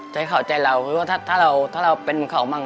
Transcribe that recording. จะให้เขาใจเราคือว่าถ้าเราเป็นเขาบ้าง